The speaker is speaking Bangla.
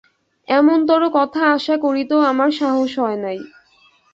এমনতরো কথা আশা করিতেও আমার সাহস হয় নাই।